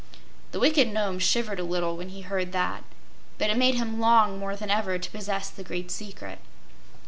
"The wicked Nome shivered a little when he heard that, but it made him long more than ever to possess the great secret.